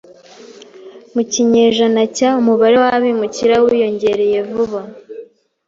Mu kinyejana cya , umubare w'abimukira wiyongereye vuba.